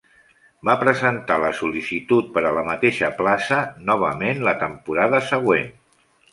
Va presentar la sol·licitud per a la mateixa plaça, novament la temporada següent.